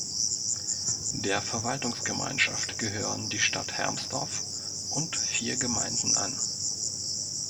Der Verwaltungsgemeinschaft gehören die Stadt Hermsdorf und vier Gemeinden an.